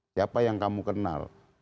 siapa yang kamu kenal